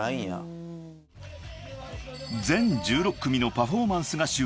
［全１６組のパフォーマンスが終了］